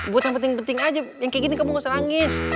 buat yang penting penting aja yang kayak gini kamu gak usah nangis